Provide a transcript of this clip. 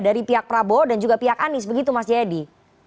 dari pihak prabowo dan juga pihak anies begitu mas jayadi